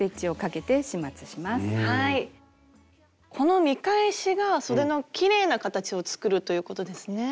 この見返しがそでのきれいな形を作るということですね。